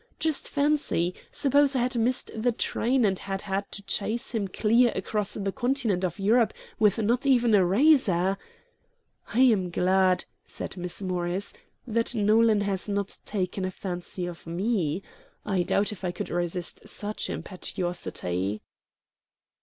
Just fancy! Suppose I had missed the train, and had had to chase him clear across the continent of Europe with not even a razor " "I am glad," said Miss Morris, "that Nolan has not taken a fancy to ME. I doubt if I could resist such impetuosity."